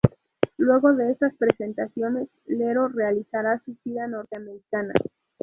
Luego de estas presentaciones, Iero realizará su gira norteamericana.